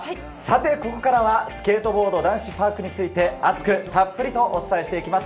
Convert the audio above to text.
ここからはスケートボード男子パークについて熱く、たっぷりお伝えしていきます。